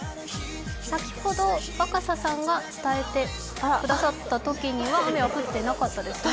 先ほど若狭さんが伝えてくださったときには雨は降ってなかったですよね。